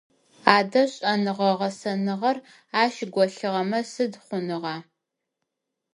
Адэ, шӏэныгъэ-гъэсэныгъэр ащ голъыгъэмэ сыд хъуныгъа?